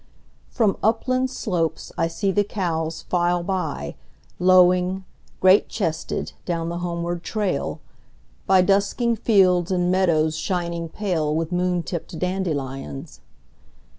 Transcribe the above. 1From upland slopes I see the cows file by,2Lowing, great chested, down the homeward trail,3By dusking fields and meadows shining pale4With moon tipped dandelions.